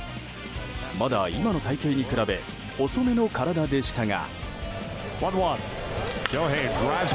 まだ今の体形に比べ細めの体でしたが。